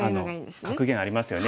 格言ありますよね。